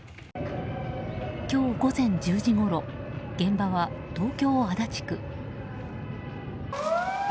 今日午前１０時ごろ現場は東京・足立区。